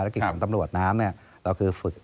กิจของตำรวจน้ำเนี่ยเราคือฝึก